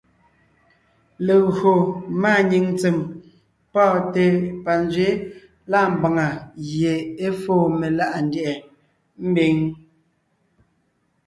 Légÿo máanyìŋ ntsèm pɔ́ɔnte panzwɛ̌ lâ mbàŋa gie é fóo meláʼa ndyɛ̀ʼɛ mbiŋ.